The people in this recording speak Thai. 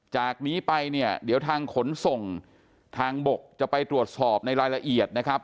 จากนี้ไปเนี่ยเดี๋ยวทางขนส่งทางบกจะไปตรวจสอบในรายละเอียดนะครับ